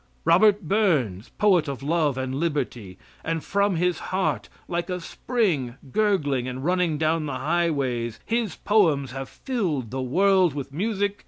Robert Burns, poet of love and liberty, and from his heart, like a spring gurgling and running down the highways, his poems have filled the world with music.